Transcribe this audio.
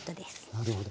なるほど。